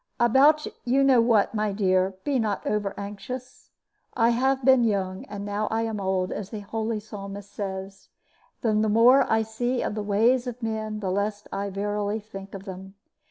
"About you know what, my dear, be not overanxious. I have been young, and now am old, as the holy Psalmist says; and the more I see of the ways of men, the less I verily think of them.